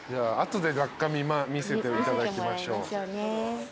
あとで雑貨見せていただきましょう。